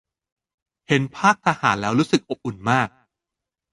เห็นภาททหารแล้วรู้สึกอบอุ่นมาก